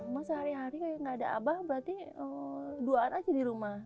masa hari hari kayak nggak ada abah berarti duaan aja di rumah